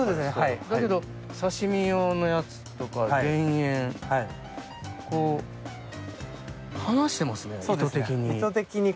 だけど刺身用のやつとか減塩離してますね、意図的に。